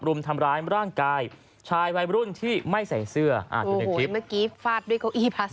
รุมทำร้ายร่างกายชายวัยรุ่นที่ไม่ใส่เสื้ออ่าดูในคลิปเมื่อกี้ฟาดด้วยเก้าอี้พัก